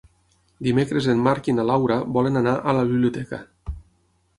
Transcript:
Dimecres en Marc i na Laura volen anar a la biblioteca.